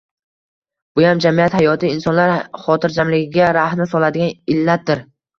Buyam jamiyat hayoti, insonlar xotirjamligiga rahna soladigan illatdir.